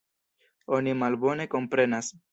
Oni malbone komprenas.